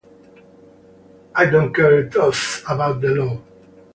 I don't care a toss about the law.